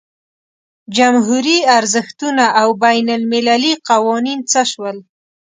جمهوري ارزښتونه او بین المللي قوانین څه شول.